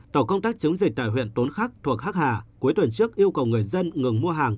tổ công tác chống dịch tại huyện tốn khắc thuộc hác hà cuối tuần trước yêu cầu người dân ngừng mua hàng